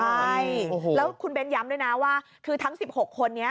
ใช่แล้วคุณเบ้นย้ำด้วยนะว่าคือทั้ง๑๖คนนี้